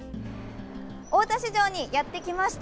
大田市場にやってきました！